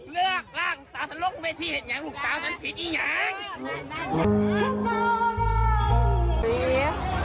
เลือกร่างสาวฉันลงเวทีเห็นยังลูกสาวฉันผิดอียาง